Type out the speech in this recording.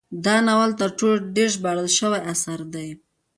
دا ناول تر ټولو ډیر ژباړل شوی اثر دی.